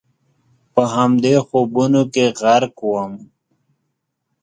په همدې خوبونو کې غرق ووم.